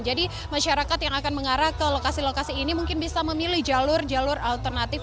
masyarakat yang akan mengarah ke lokasi lokasi ini mungkin bisa memilih jalur jalur alternatif